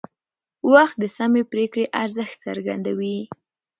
وخت د سمې پرېکړې ارزښت څرګندوي